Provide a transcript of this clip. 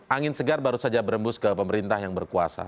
angin segar baru saja berembus ke pemerintah yang berkuasa